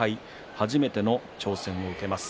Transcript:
初めての挑戦を受けます。